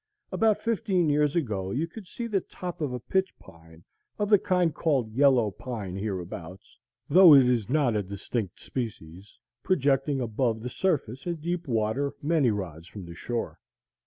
About fifteen years ago you could see the top of a pitch pine, of the kind called yellow pine hereabouts, though it is not a distinct species, projecting above the surface in deep water, many rods from the shore.